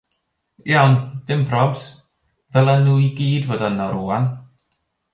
Iawn, dim probs, ddylai nhw i gyd fod yno rŵan.